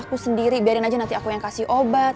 aku sendiri biarin aja nanti aku yang kasih obat